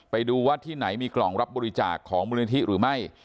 ไปดูว่าที่ไหนมีกล่องรับบริจาคของมูลนิธิหรือไม่